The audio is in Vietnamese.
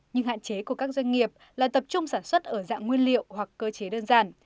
nhưng hạn chế của các doanh nghiệp là tập trung sản xuất ở dạng nguyên liệu hoặc cơ chế đơn giản